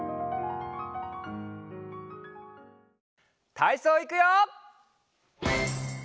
たいそういくよ！